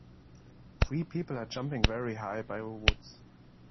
Three people are jumping very high by the woods.